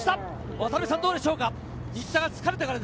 渡辺さん、どうでしょうか？